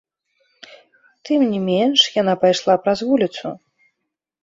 Тым не менш яна пайшла праз вуліцу.